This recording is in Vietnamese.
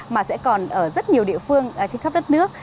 mà sẽ còn ở rất nhiều địa phương trên khắp đất nước